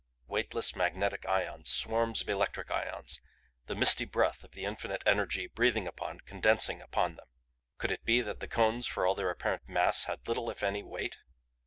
Weightless magnetic ions; swarms of electric ions; the misty breath of the infinite energy breathing upon, condensing upon, them. Could it be that the Cones for all their apparent mass had little, if any, weight?